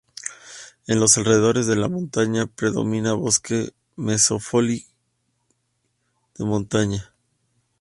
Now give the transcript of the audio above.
En los alrededores de la montaña predomina bosque mesófilo de montaña.